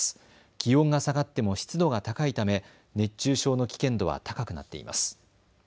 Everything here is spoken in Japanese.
気温が下がっても湿度が高いため熱中症の危険度は高くなっています。